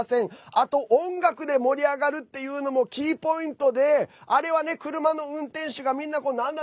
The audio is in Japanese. あと音楽で盛り上がるというのもキーポイントであれは車の運転手がみんななんだ